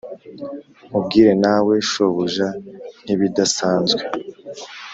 nkubwire nawe, shobuja, nkibidasanzwe